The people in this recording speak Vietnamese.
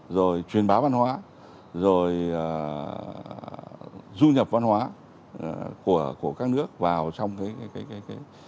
rồi truyền bá văn hóa rồi du nhập văn hóa của các nước vào trong cái